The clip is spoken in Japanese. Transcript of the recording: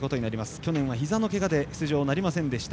去年は、ひざのけがで出場なりませんでした